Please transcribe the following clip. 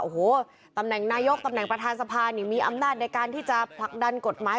โอ้โหตำแหน่งนายกตำแหน่งประธานสภานี่มีอำนาจในการที่จะผลักดันกฎหมาย